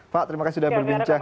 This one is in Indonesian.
pak terima kasih sudah berbincang